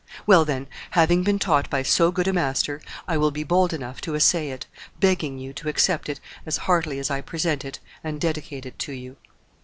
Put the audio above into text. Well, then, having been taught by so good a master, I will be bold enough to essay it, begging you to accept it as heartily as I present it and dedicate it to you."